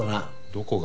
どこが？